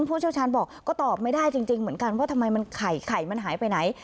ผู้เชี่ยวชาญบอกก็ตอบไม่ได้จริงเหมือนกันว่าทำไมมันไข่ไข่มันหายไปไหน